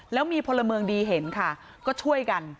แล้วมีพลเมืองดีเห็นค่ะก็ช่วยกัน